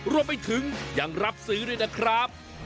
รวมไปถึงยังรับซื้อด้วยนะครับ